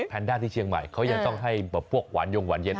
แนนด้าที่เชียงใหม่เขายังต้องให้พวกหวานยงหวานเย็น